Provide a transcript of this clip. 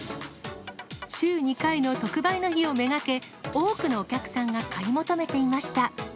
週２回の特売の日を目がけ、多くのお客さんが買い求めていました。